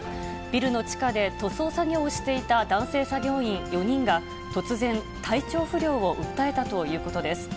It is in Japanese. ビルの地下で塗装作業をしていた男性作業員４人が突然、体調不良を訴えたということです。